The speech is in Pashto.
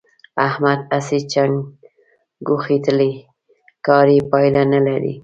احمد هسې چنګوښې تلي؛ کار يې پايله نه لري.